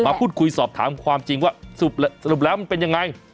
มาพูดคุยสอบถามความจริงว่าสมมุติว่าสรุปแล้วมันเป็นยังไง